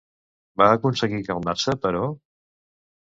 Va aconseguir calmar-se, però?